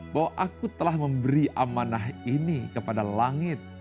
bahwa aku telah memberi amanah ini kepada langit